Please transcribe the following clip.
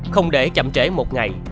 không để chậm trễ một ngày